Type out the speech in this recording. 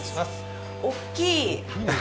大きい。